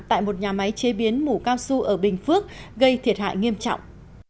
tại một nhà máy chế biến mủ cao su ở bình phước gây thiệt hại nghiêm trọng